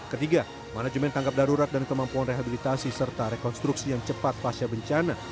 ketiga manajemen tangkap darurat dan kemampuan rehabilitasi serta rekonstruksi yang cepat pasca bencana